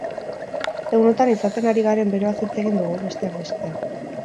Egunotan izaten ari garen beroaz hitz egin dugu, besteak beste.